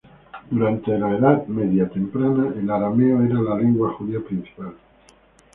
Durante las edades medias tempranas, el arameo era la lengua judía principal.